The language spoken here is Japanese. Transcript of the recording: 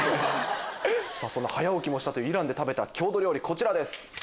さぁ早起きもしたというイランで食べた郷土料理こちらです。